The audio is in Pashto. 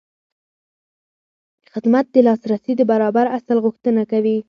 خدمت د لاسرسي د برابر اصل غوښتنه کوي.